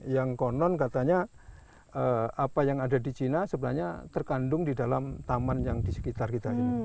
yang konon katanya apa yang ada di china sebenarnya terkandung didalam taman yang disekitar kita ini